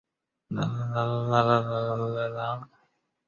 加拿大一直是亚裔拉丁美洲移民的热门目的地。